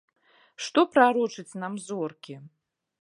Што прарочаць нам зоркі?